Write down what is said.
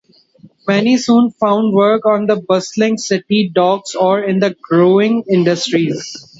Many soon found work on the bustling city docks, or in the growing industries.